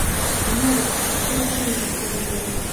amezi atatu ashize afunzwe ku buriri